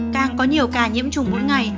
càng có nhiều ca nhiễm chùng mỗi ngày